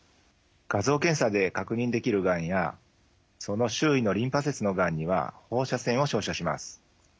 画像検査で確認できるがんやその周囲のリンパ節のがんには放射線を照射します。